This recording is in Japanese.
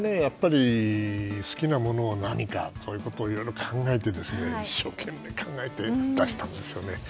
好きなものは何かそういうことをいろいろ考えて一生懸命考えて出したんでしょうね。